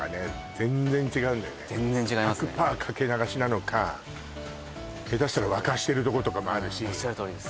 全然違うんだよね全然違いますね１００パー掛け流しなのか下手したら沸かしてるとことかもあるしおっしゃるとおりです